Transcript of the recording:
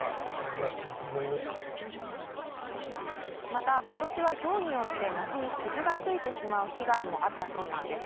また、今年はひょうによって梨に傷がついてしまう被害もあったそうなんです。